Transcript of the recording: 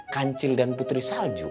kancil dan putri salju